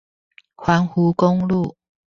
環湖公路